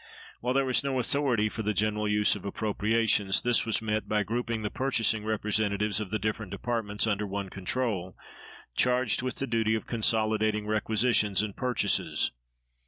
While there was no authority for the general use of appropriations, this was met by grouping the purchasing representatives of the different departments under one control, charged with the duty of consolidating requisitions and purchases.